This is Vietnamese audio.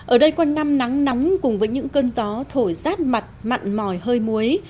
ở đây có năm nắng nóng cùng với những cơn gió thổi rát mặt mặn mỏi hơi muối